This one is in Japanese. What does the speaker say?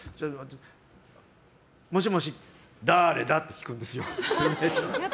もしもし、誰だ？って聞くんですよ。